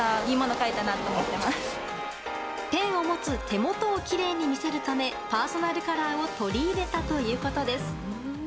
ペンを持つ手元をきれいに見せるためパーソナルカラーを取り入れたということです。